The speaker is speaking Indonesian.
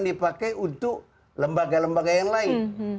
dipakai untuk lembaga lembaga yang lain